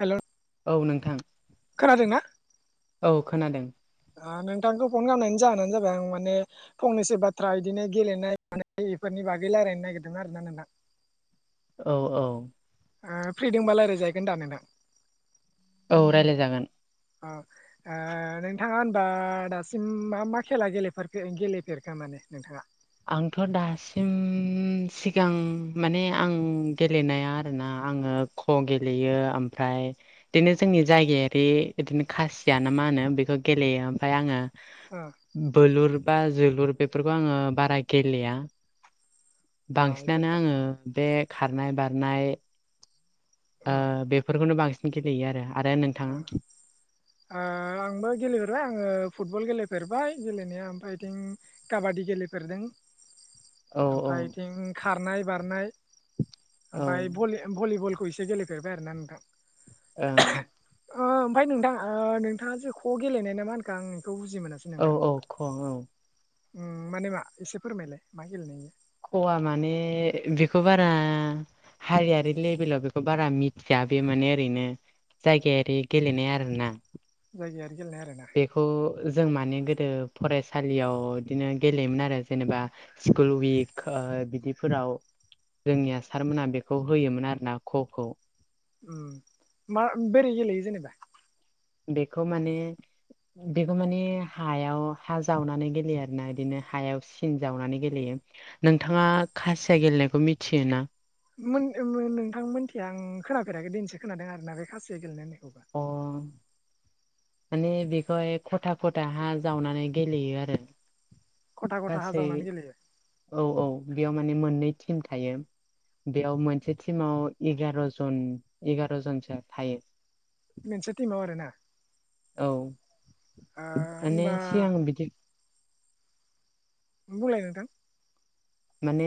Hello औ नोंथां औ खोनादों। नोंथांखौ फन खालामनायनि जाहोनानो जाबाय आं माने फंनैसो बाथ्रा इदिनो गेलेनाय मानाय बेफोर नि बागै रायलायनो नागिरदों आरोना नोंथां औ औ फ्रि दोंबा रायलाय जागोन दा नोंथां औ रायलाय जागोन। अ नोंथाङा होनबा दासिम मा मा खेला गेलेफेरखो गेलेफेरखोमोन दे नोंथाङा आंथ' दासिम सिगां माने आं गेलेनाया आरोना आङो ख' गेलेयो ओमफ्राय बिदिनो जोंनि जायगायारि बिदिनो खासिया नामा मा होनो बेखौ गेलेयो ओमफ्राय आङो। बोलुर बा जोलुर बेफोरखौ आङो बारा गेलेया। बांसिनानो बेफोरखौ आङो बे खारनाय बारनाय ओ बेफोरखौनो बांसिन गेलेयो आरो। आरो ओ नोंथाङा आंबो गेलेफेरबाय आङो फुटबल गेले फेरबाय गेलेनाया ओमफ्राय बिथिं काबबादि गेलेफेरदों। औ औ ओमफ्राय बिथिं खारनाय बारनाय औ ओमफ्राय ओं भलिबलखौ एसे गेलेफेरबाय आरोना नोंथां। ओम। ओमफ्राय नोंथां नोंथाङा जे ख' गेलेनाय ना मा होनखो आंनि औ औ ख' औ। माने मा एसे फोरमायलाय मा गेलेनाययो ख'वा माने बेखौ बारा हारियारि लेभेलाव बेखौ बारा मिथिया बे माने ओरैनो जायगायारि गेलेनाय आरोना जायगायारि गेलेनाय आरोना। बेखौ जों माने गोदो फरायसालियाव बिदिनो गेलेयोमोन आरो जेनेबा स्कुल उइक बिदिफोराव जोंनिया सारमोनहा बेखौ होयोमोन आरो ना ख'खौ उम मा बोरै गेलेयो जेनेबा बेखौ माने बेखौ माने हायाव हा जावनानै गेलेयो आर ना बिदिनो हायाव सिन जावनानै गेलेयो नोंथाङा खासिया गेलेनायखौ मिथियो ना नोंथां मोनथिया आं खोनाफेराखै दिनैसो खोनादों आरोना बे खासिया गेलेनायनि अ। माने बेखौहाय खथा खथाहा जावनानै गेलेयो आरो खथा खथा हा गासै जावनानै गेलेयो औ औ बेयाव माने मोननै टिम थायो बेयाव मोनसे टिमाव एगार' जन एगार' जनसो थायो मोनसे टिमाव आरोना औ ओ माने होमबा सिगां बिदि बुंलाय नोंथां। माने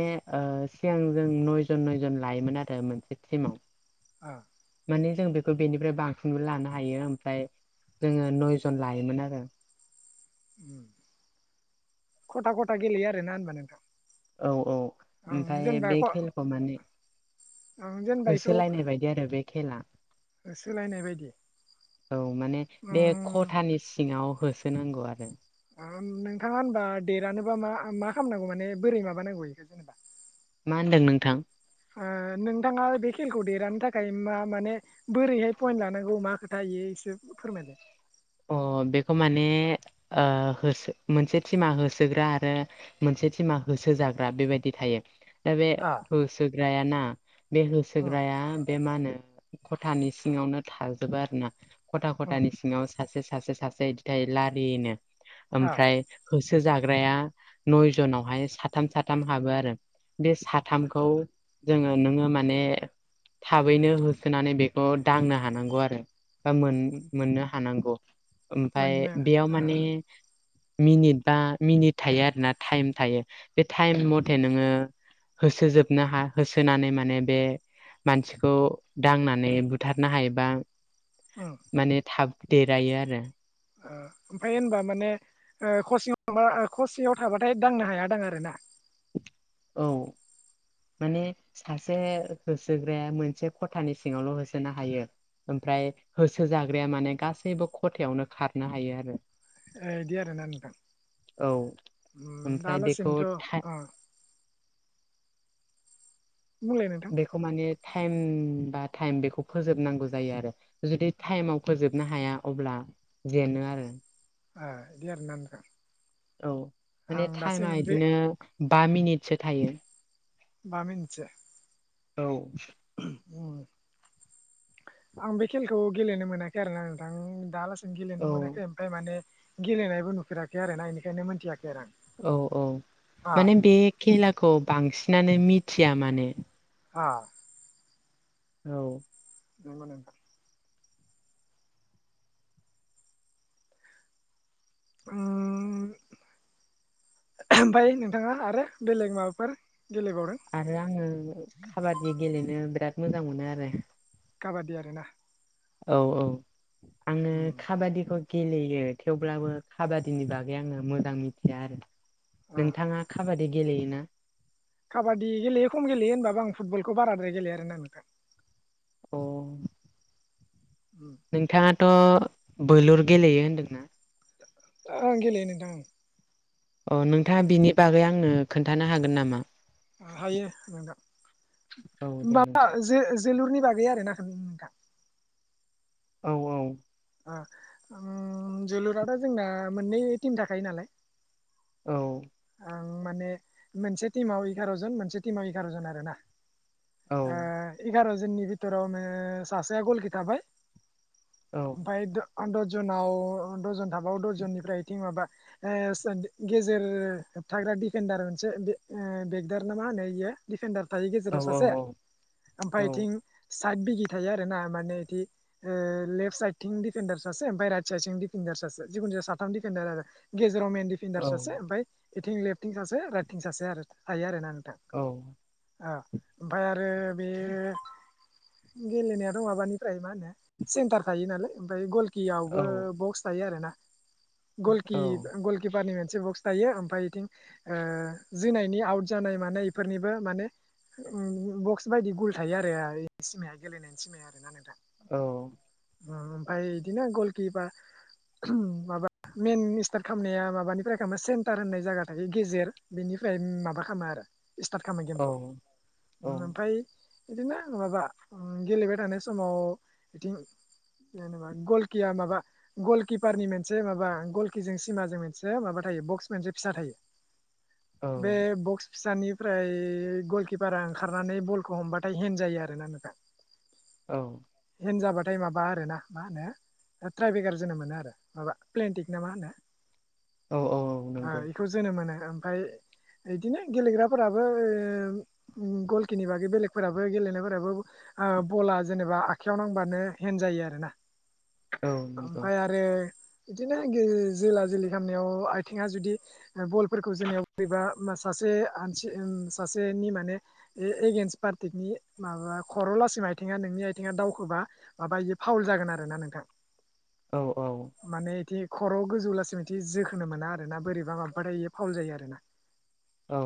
सिगां जों नयजन नयजन लायोमोन आरो मोनसे टिमाव ओ माने जों बेखौ बेनिफ्राय बांसिनबो लानो हायो ओमफ्राय। जोङो नयजन लायोमोन आरो। खथा खथा गेलेयो आरोना होनबा नोंथां औ औ। आं ओमफ्राय जेनेबा बे ख खेलाखौ माने आं जेनेबा बेखौ होसोलायनाय बायदि आरो बे खेला सोलायनाय बायदि औ माने बे उम खथानि सिङाव होसोनांगौ आरो नोंथाङा होनबा देरहानोबा मा मा खालामनांगौ माने बोरै माबानांगौ बेखौ जेनेबा मा होनदों नोंथां? नोंथाङा बे खेलखौ देरहानो थाखाय मा माने बोरैहाय पइन्ट लानांगौ मा खोथायायो एसेसो फोरमायहर अ बेखौ माने मोनसे टिमा होसोग्रा आरो मोनसे टिमा हो सो जाग्रा बेबायदि थायो दा बे आ होसोग्रायाना बे उम होसोग्राया बे मा होनो खथानि सिङावनो थाजोबो आरो ना खथा उम खथानि सिङाव सासे सासे सासे बिदि थायो लारिनो आ ओमफ्राय हो सो जाग्राया नयजनावहाय साथाम साथाम हाबो आरो। बे साथामखौ जोङो नोङो माने थाबैनो होसोनानै बेखौ दांनो हानांगौ आरो बा मोन मोननो हानांगौ ओमफाय मोननो बेयाव आ माने मिनिट बा मिनिट थायो आरोना थटाइम थायो बे टाइम मथे नोङो होसोजोबनो हा होसोनानै माने बे मानसिखौ दांनानै बुथारनो हायोबा उम माने थाब देरहायो आरो। ओमफ्राय होनबा माने खसेयाव था खसेयाव थाबाथाय दांनो हाया दां आरो ना। औ। माने सासे होसोग्राया मोनसे खथानि सिङावल' होसोनो हायो। ओमफ्राय होसो जाग्राया माने गासैबो खथायावनो खारनो हायो आरो। ए बिदि आरोना नोंथां। औ ओमफ्राय दाल बेखौ सिमथ' था अ बुंलाय नोंथां बेखौ माने टाइम बा टाइम बेखौ फोजोबनांगौ जायो आरो जुदि टाइमाव फोजोबनो हाया अब्ला जेनो आरो। बिदि आरोना नोंथां। औ माने आं दासिम टाइमा बे बिदिनो बा मिनिटसो थायो। बा मिनिथ'सो औ। उम। आं बे खेलखौ गेलेनो मोनाखै आरोना नोंथां दाला‌ औ गेलेनो मोनाखै ओमफ्राय माने गेलेनायबो नुफेराखै आरो ना बेनिखायनो मोनथियाखै आरो आं औ औ आ माने बे खेलाखौ बांसिनानो मिथिया माने अ औ। नंगौ नोंथां। उम। ओमफ्राय नोंथाङा आरो बेलेग माबाफोर गेलेबावदों आरो आङो काबादि गेलेनो बिराद मोजां मोनो आरो काबादि आरोना। औ औ आङो उम काबादिखौ गेलेयो थेवब्लाबो काबादिनि बागै आङो मोजां मिथिया आरो। ओ नोंथाङा काबादि गेलेयोना? काबादि गेलेयो खम गेलेयो होनबाबो आं फुटबलखौ बाराद्राय गेलेयो आरो ना नोंथां। अ'। उम नोंथाङाथ' बोलुर गेलेयो होनदोंना? आं गेलेयो नोंथां। अ नोंथाङा बिनि बागै आंनो खोन्थानो हागोन नामा? हायो नोंथां। औ दे माबा नोंसै जो जोलुरनि बागै आरोना नोंथां। औ औ। आ ओम जोलुरा दा जोंना मोननै टिम थाखायो नालाय औ। ओं माने मोनसे टिमाव एगार' जन मोनसे टिमाव एगार' जन आरोना। औ ओ एगार' जननि बिथोरावनो सासेया गलखि थाबाय ओफाय द आन दजनाव दजन थाबाव दजननिफ्रा इथिं माबा ओ गेजेर होब थाग्रा दिडिफेडार मोनसे बे ओ बेगदार ना मा होनो इयो डिफेडार थायो औ गेजेराव सासे औ ओमफाय इथिं साइद बिगि थायो आरो ना माने इथि ओ लेफट साइडथिं दिफेनडार सासे ओमफाय राइट साइडथिं डिफेन्डार सासे सासे जिखिनु‌ जाया साथाम दिफेन्दार‌ आरो‌ गे जेराव मेन डिफेन्डार औ सासे ओमफाय इथिं लेफ्टथिं सासे राइटथिं सासे आरो थायो आरोना औ आ ओमफाय आरो बे गेलेनायाथ' माबानिफ्राय मा होनो सेन्टार खायो नालाय ओमफा‌य गल कियावबो औ बक्स थायो आरोना औ गलकि गलकिपारनि मोनसे बक्स थायो फाय इथिं ओ जोंना इनि आउट जानाय मानाय इफोरनिबो माने अ बक्स बायदि गुल थायो आरो सिमाया गेलेनायनि सिमाया आरोना नोंथां औ ओमफाय बिदिनो गलकिपा ओम माबा मइेन स्टार्ट खालामनाया माबानिफ्राय खालामो सेन्ट टार होननाय जायगा थायो गेजेर बेनिफ्राय माबा खालामो आरो स्टार्ट खालामो गेमखौ ओमफाय बिदिनो माबा गेलेबाय थानाय समाव बिथिं जेनेबा गलकिया माबा गलकिपारनि मोनसे माबा गलकिजों सिमाजों मोनसे माबा थायो बक्स मोनसे फिसा थायो औ बे बक्स फिसानिफ्राय गलकिपारा ओंखारनानै बलखौ हमबाथाय हेन जायो आरोना नोंथा। औ हेन जाबाथाय माबा आरो ना मा होनो ट्राइभेगार जोनो मोनो आरो माबा प्लेनटिक ना मा होनो औ औ ओ नंगौ इखौ जोनो मोनो ओमफाय इदिनो गेलेग्राफोराबो ओ गलखिनि बागै बेलेगफोराबो गेलेनायफोराबो ओ बला जेनेबा आखाइयाव नांबानो हेन जायो आरो ना औ नंगौ ओमफाय आरो बिदिनो ग जोला जोलि खालामनायाव आ आथिङा जुदि बलफोरखौ जोंनिाव बोरैबा सासे आनसि ओम सासेनि माने ए एगेन्स्ट पार्टिकनि माबा खर' लासिम आइथिंआ नोंनि आयथिंआ दावखोबा माबायो फावल जागोन आरोना नोंथां औ औ खर'आव गोजौ लासै थि जोखोनो मोना आरोना बोरैबा माबाथाय फावल जायो आरोना औ।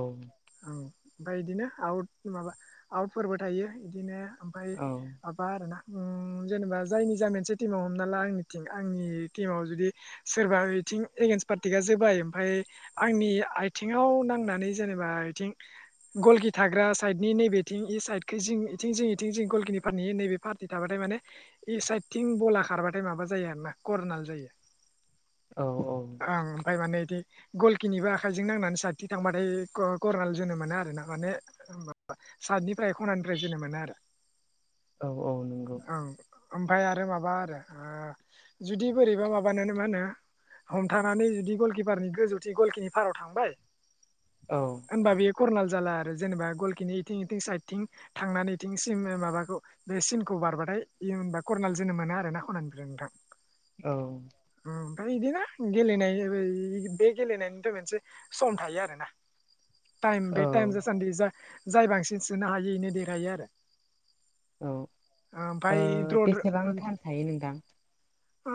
ओमफाय इदिनो आउट माबा आउटफोरबो थायो इदिनो ओमफाय औ माबा आरोना ओम जेनेबा जायनि जा मोनसे टिमाव हमना ला आंनिथिं आंनि टिमाव जुदि सोरबा इथिं ए पार्टिकआ जोबाय ओमफाय आंनि आथिङाव नांनानै जेनेबा इथिं गलकि थाग्रा साइडनि नैबेथिं इ साइडखै इथिं जिं इथिं जि गल किपारनि नैबे पार्टि थाबाथाय माने इसायदथिं बला खारबाथाय माबा जायो आरो ना करनाल जायो औ औ ओं ओमफ्राय माने बिदि गलखिनिबो आखायजों नांनानै साथि थांबाथाय करनाल जोनो मोना आरोना माने सातनिफ्राय खनानिफ्राय जोनो मोनो आरो। औ औ नंगौ ओं ओमफ्राय आरो माबा आरो ओ जुदि बोरैबा माबानो मा होनो हमथानानै जुदि गलकिपारनि गोजौथि गलखिनि पाराव थांबाय औ होनबा बेयो कर्नाल जाला। आरो जेनेबा गलखिनि इथिं इथिं साइडथिं थांनानैथिं सिम माबाखौ बे सिनखौ बारबाथाय। बि होनबा करनाल जोनोम मोनो आरोना खनानिफ्राय नोंथां। औ। ओमफ्राय बिदिना गेलेनाय बे गेलेनायनिथ' मोनसे सम थायो आरोना। टाइम औ बे टाइम जासान्दि जाय जाय बांसिन सोनो हायो इनो देरहायो आरो। औ ओमफ्राय ओ द्र'द्र' बेसेबां थान थायो नोंथां [inaudible]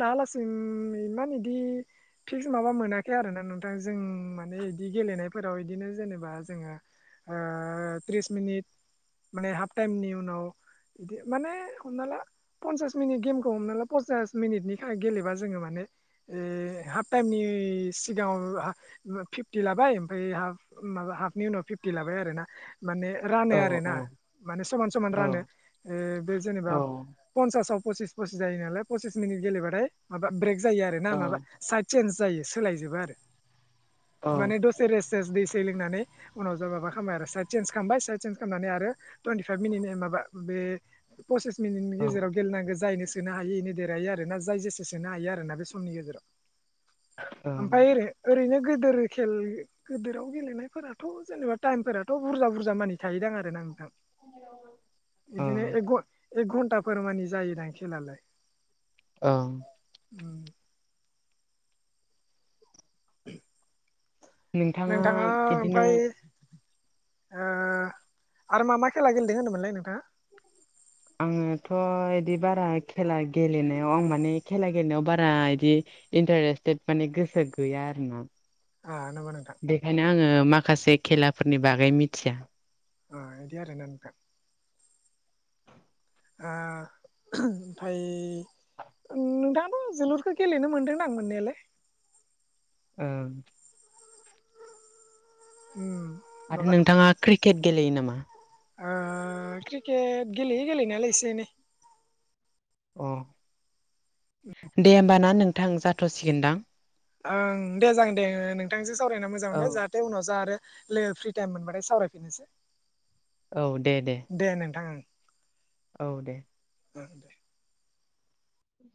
दालासिम इमान इदि फिक्स माबा मोनाखै आरोना नोंथां जों माने बिदि गेलेनायफोराव बिदिनो जेनेबा जोङो थ्रिस मिनिट। माने हाफ टाइमनि उनाव बिदि माने हमना ला पन्सास मिनिट गेमखौ हमना ला पन्सास मिनिटनि गेलेबा जोङो माने। ए हाफ टाइमनि सिगाङाव फिफ्टि लाबाय ओमफ्राय हाफ माबा हाफनि उनाव फिफ्टि लाबाय आरोना। माने रानो औ आरोना औ माने समान समान औ रानो बे औ जेनेबा पसिस पसिस जायो नालाय पसिस मिनिट गेलेबाथाय माबा ब्रेक जायो आरोना औ माबा साइड चेन्ज जायो। सोलायजोबो आरो माने औ दसे रेस स दै सै लोंनानै उनाव जों माबा खालामबाय आरो साइद सेेन्ज खालामनानै साइद सेन्स खालामनानै आरो टुइन्टि फाइभ मिनिट [inaudible] नि गेजेराव गेलेनांगौ जायनो सोनो हायि इनो देरहायो आरोना जाय जेसे सोनो हायो आरोना बे समनि गेजेराव। ओं ओमफ्राय ओरैनो गिदिर खेल गिदिराव गेलेनायफोराथ' जेनेबा टाइमफोराथ' बुरजा बुरजा मानि थायोदां आरोना नोंथां। अ। बिदिनो एक घ एक घन्टाफोर मानि जायोदां खेलालाय। [inaudible] उम। नोंथाङा ओमफ्राय आरो मा मा खेला गेलेदों होनदोंमोनलाय नोंथाङा। आङोथ' बिदि बारा खेला गेलेनायाव आं माने खेला गेलेनायाव बारा बिदि इन्टारेस्टेट गोसो गैया आरोना। नामा नोंथां बेखायनो आङो माखासे खेलाफोरनि बागै मिथिया। इदि आरोना नोंथां। ओं ओमफ्राय। नोंथां' जोलुरखौ गेलेनो मोनदों आं मोननायालाय। उम। उम। आरो माबा नोंथाङा क्रिकेट गेलेयो नामा? ओ क्रिकेट गेलेयो गेलेनायालाय एसे एनै। औ। दे होमबा ना नोंथां जाथ'सिगोनदां। ओं दे जागोन दे नोंथांजों सावरायना मोजां औ मोनबाय जाहाथे उनाव जा आरो लोगो फ्रि टाइम मोनबाथाय सावरायफिननोसै। औ दे दे। औ दे। औ दे।